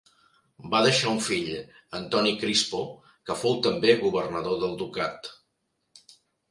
Va deixar un fill, Antoni Crispo, que fou també governador del ducat.